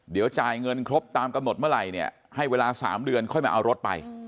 เดี๋ยวจ่ายเงินครบตามกำหนดเมื่อไหร่เนี่ยให้เวลา๓เดือนค่อยมาเอารถไป